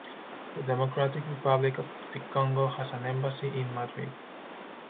The Democratic Republic of the Congo has an embassy in Madrid.